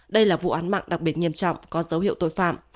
đây là vụ án mạng đặc biệt nghiêm trọng có dấu hiệu tội phạm